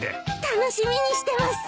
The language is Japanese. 楽しみにしてます。